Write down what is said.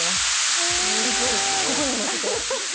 ここにものせて？